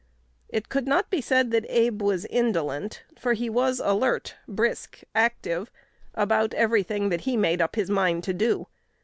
It could not be said that Abe was indolent; for he was alert, brisk, active, about every thing that he made up his mind to do.